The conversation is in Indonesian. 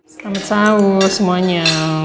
selamat siang semuanya